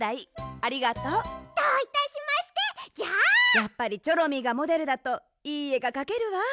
やっぱりチョロミーがモデルだといいえがかけるわ。